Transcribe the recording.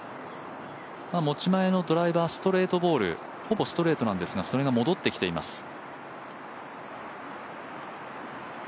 持ち前のドライバー、ストレートボールほぼストレートなんですがそれが戻ってきています。